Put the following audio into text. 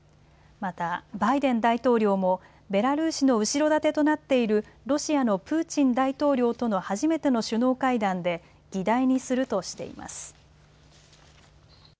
また、バイデン大統領もベラルーシの後ろ盾となっているロシアのプーチン大統領との初めての首脳会談で議題にするとしています。